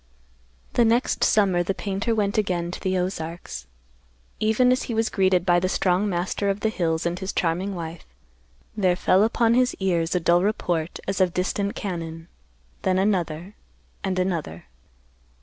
The next summer the painter went again to the Ozarks. Even as he was greeted by the strong master of the hills and his charming wife, there fell upon his ears a dull report as of distant cannon; then another, and another.